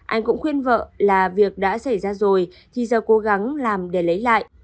anh cũng khuyên vợ là việc đã xảy ra rồi thì giờ cố gắng làm để lấy lại